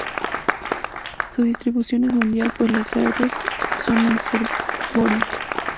Su distribución es mundial pues los cerdos son un reservorio.